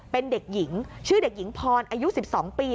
เป็นเด็กหญิงชื่อเด็กหญิงพรอายุ๑๒ปี